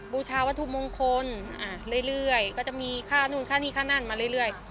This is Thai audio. บูชาวัตถุมงคลเรื่อยก็จะมีค่านู่นค่านี่ค่านั่นมาเรื่อย